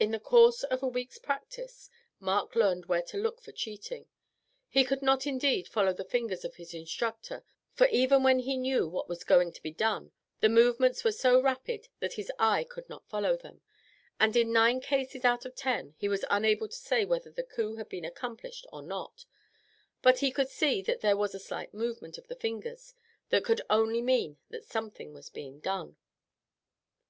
In the course of a week's practice Mark learned where to look for cheating; he could not indeed follow the fingers of his instructor, for even when he knew what was going to be done, the movements were so rapid that his eye could not follow them, and in nine cases out of ten he was unable to say whether the coup had been accomplished or not; but he could see that there was a slight movement of the fingers that could only mean that something was being done.